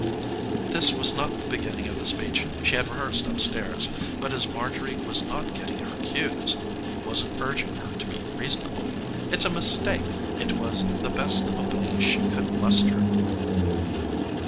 This was not the beginning of the speech she had rehearsed up stairs, but as Marjorie was not getting her cues wasn't urging her to be reasonable; it's an a mistake it was the best opening she could muster.